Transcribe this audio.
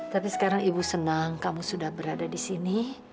tapi sekarang ibu senang kamu sudah berada di sini